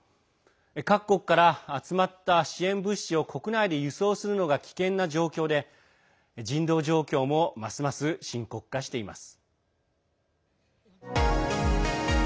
各国から集まった支援物資を国内で輸送するのが危険な状況で人道状況もますます深刻化しています。